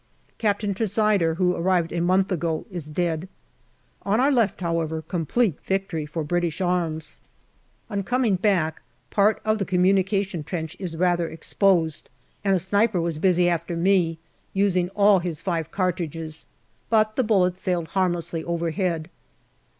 Captain Tressider, who arrived a month ago, is dead. On our left, however, complete victory for British arms. On coming back, part of the communication trench is rather exposed and a sniper was busy after me, using all his five cartridges, but the bullets sailed harmlessly over head.